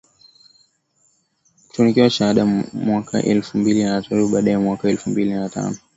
kutunukiwa stashahada mwaka elfu mbili na tatu Baadaye mwaka elfu mbili na tano alikwenda